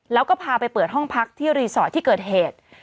แล้วก็พาไปเปิดห้องพักที่รีสอร์ทที่เกิดเหตุ